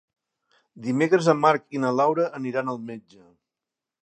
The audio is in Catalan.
Dimecres en Marc i na Laura aniran al metge.